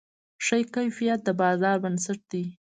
ښه کیفیت د بازار بنسټ دی.